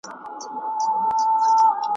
ولي سیوری اچولی خوب د پېغلي پر ورنونه